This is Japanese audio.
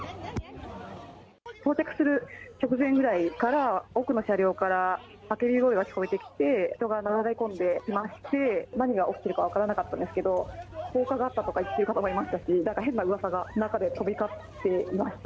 到着する直前ぐらいから奥の車両から叫び声が聞こえてきて、人がなだれ込んできまして、何が起きてるか分からなかったんですけど、放火があったとか言ってる方もいましたし、なんか変な噂が中で飛び交っていました。